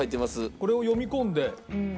これを読み込んで。